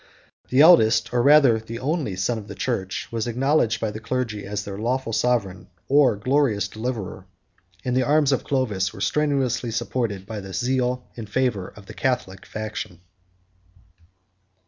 The eldest, or rather the only, son of the church, was acknowledged by the clergy as their lawful sovereign, or glorious deliverer; and the armies of Clovis were strenuously supported by the zeal and fervor of the Catholic faction.